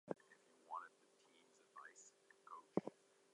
The long stretch along the Bhagirathi has many swamps.